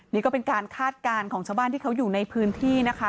นี่ก็เป็นการคาดการณ์ของชาวบ้านที่เขาอยู่ในพื้นที่นะคะ